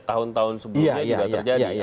tahun tahun sebelumnya juga terjadi